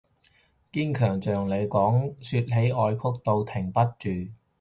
堅強像你，說起愛哭到停不住